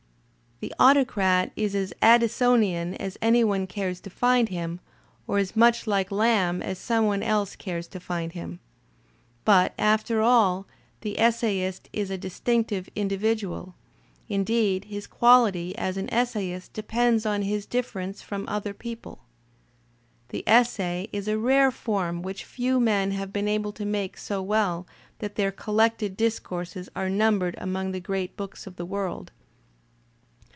The Autocrat is as Addi sonian as any one cares to find him, or as much like Lamb as some one else cares to find him. But, after all, the essayist is a distinctive individual; indeed, his quality as an essayist depends on his difference from other people. The essay is a rare form which few men have been able to make so well that thdr collected discourses are numbered among the great books of the world.